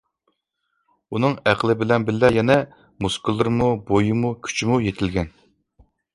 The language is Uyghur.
ئۇنىڭ ئەقلى بىلەن بىللە يەنە مۇسكۇللىرىمۇ، بويىمۇ، كۈچىمۇ يېتىلگەن.